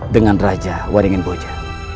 dengan raja waringinboja